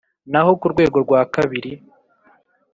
naho ku rwego rwa kabiri